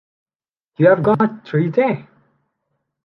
You’ve got three day?